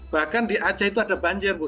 bahkan di aceh itu ada banjir bu